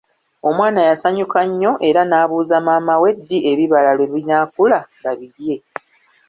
Omwana yasanyuka nnyo era n'abuuza maama we ddi ebibala lwe binaakula babirye.